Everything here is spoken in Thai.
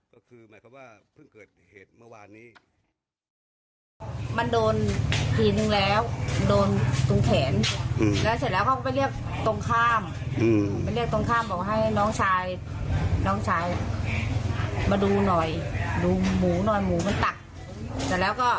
พอมาถึงปุ๊บก็ไม่ทันแล้ว